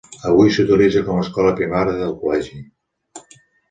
Avui s'utilitza com a escola primària del col·legi.